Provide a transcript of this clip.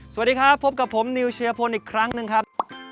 สวัสดีครับพบกับผมนิวเชียร์พลอีกครั้งหนึ่งครับ